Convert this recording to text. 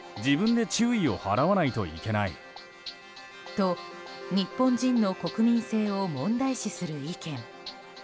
と、日本人の国民性を問題視する意見。